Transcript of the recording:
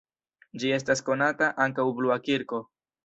Ĝi estas konata ankaŭ blua kirko.